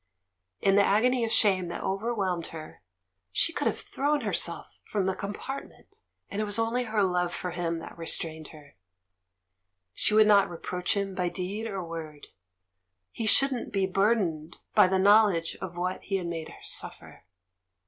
In the agony of shame that overwhelmed her she could have thrown herself from the compartment ; and it was only her love for him that restrained her — she would not reproach him by deed or word; he shouldn't be burdened by the knowledge of what he had made her suffer.